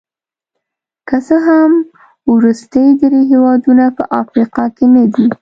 که څه هم وروستي درې هېوادونه په افریقا کې نه دي.